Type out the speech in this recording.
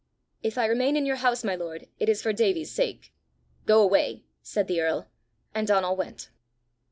"If I remain in your house, my lord, it is for Davie's sake." "Go away," said the earl; and Donal went.